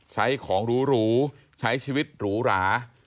ใช้ของหรูใช้ชีวิตหรูหรา